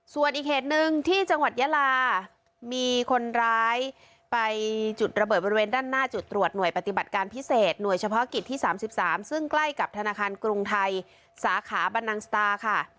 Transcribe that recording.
ส่วนอีกเหตุหนึ่งที่จังหวัดยาลามีคนร้ายไปจุดระเบิดบริเวณด้านหน้าจุดตรวจหน่วยปฏิบัติการพิเศษหน่วยเฉพาะกิจที่๓๓ซึ่งใกล้กับธนาคารกรุงไทยสาขาบรรนังสตาค่ะ